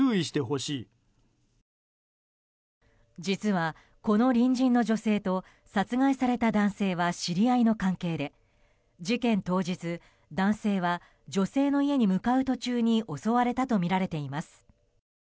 実は、この隣人の女性と殺害された男性は知り合いの関係で、事件当日男性は、女性の家に向かう途中に襲われたとみられています。